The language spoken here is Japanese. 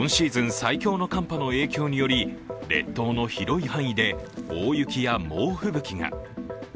最強の寒波の影響により列島の広い範囲で大雪や猛吹雪が。